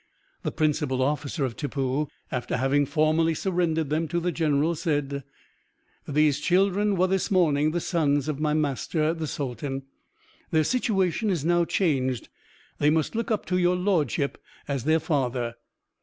The principal officer of Tippoo, after having formally surrendered them to the general, said "These children were this morning the sons of my master, the sultan. Their situation is now changed; they must look up to your lordship as their father."